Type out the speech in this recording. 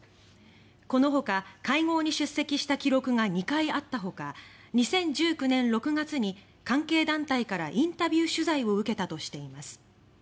このほか、会合に出席した記録が２回あったほか２０１９年６月に関係団体からインタビュー取材を受けたとしています。